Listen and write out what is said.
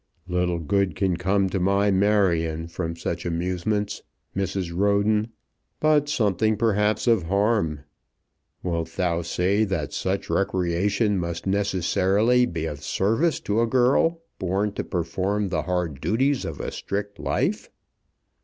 "Little good can come to my Marion from such amusements, Mrs. Roden; but something, perhaps, of harm. Wilt thou say that such recreation must necessarily be of service to a girl born to perform the hard duties of a strict life?"